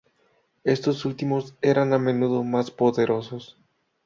Estos últimos eran a menudo más poderosos.